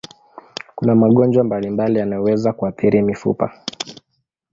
Kuna magonjwa mbalimbali yanayoweza kuathiri mifupa.